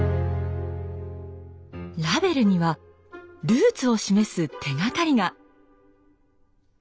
ラベルにはルーツを示す手がかりが。